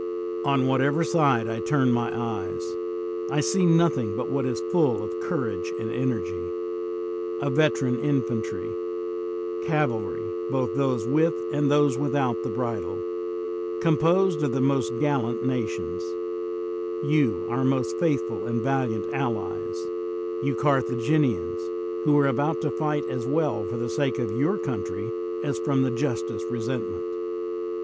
On whatever side I turn my eyes I see nothing but what is full of courage and energy: a veteran infantry; cavalry, both those with and those without the bridle, composed of the most gallant nations, — ^you, our most faithful and valiant allies, you Carthaginians, who are about to fight as well for the sake of your country as from the justest resentment.